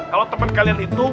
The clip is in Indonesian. kalau teman kalian ini